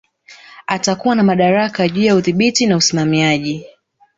Atakuwa na madaraka juu ya udhibiti na usimamiaji